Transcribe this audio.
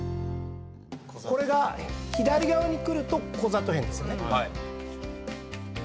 これが左側に来るとこざとへんですよね。